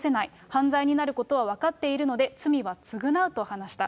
犯罪になることは分かっているので、罪は償うと話した。